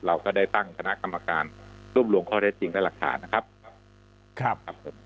เราก็ได้ตั้งคณะกรรมการรวบรวมข้อเท็จจริงและหลักฐานนะครับครับผม